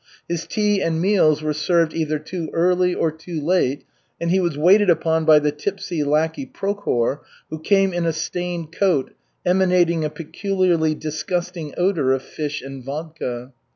His tea and meals were served either too early or too late, and he was waited upon by the tipsy lackey Prokhor, who came in a stained coat emanating a peculiarly disgusting odor of fish and vodka.